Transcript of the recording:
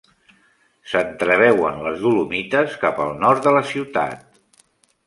S'entreveuen les Dolomites cap al nord de la ciutat.